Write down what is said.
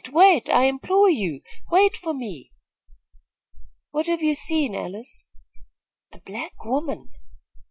wait! I implore you, wait for me!" "What have you seen, Alice?" "A black woman."